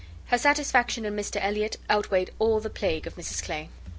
Her satisfaction in Mr Elliot outweighed all the plague of Mrs Clay.